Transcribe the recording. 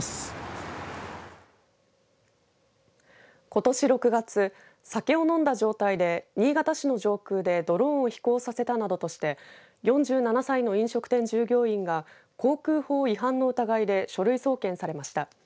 ことし６月酒を飲んだ状態で新潟市の上空でドローンを飛行させたなどとして４７歳の飲食店従業員が航空法違反の疑いで書類送検されました。